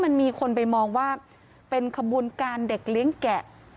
มันมีคนไปมองว่าเป็นขบวนการเด็กเลี้ยงแกะ